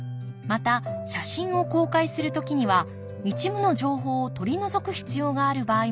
また写真を公開する時には一部の情報を取り除く必要がある場合もあります。